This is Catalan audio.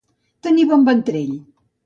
Tenir bon ventrell.